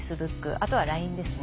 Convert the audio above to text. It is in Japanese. あとはＬＩＮＥですね。